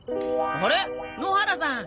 あれ野原さん！